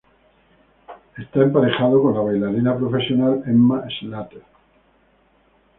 El esta emparejado con la bailarina profesional Emma Slater.